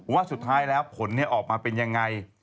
ว่าสุดท้ายแล้วผลออกมาเป็นยังไง